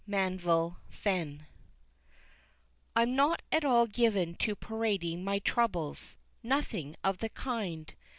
MANVILLE FENN. I'm not at all given to parading my troubles nothing of the kind.